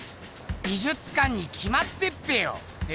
美術館にきまってっぺよ！